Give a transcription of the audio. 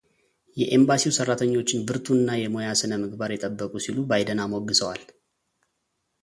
የኤምባሲው ሠራኞችን ብርቱ እና የሙያ ሥነ ምግባር የጠበቁ ሲሉ ባይደን አሞግሰዋል።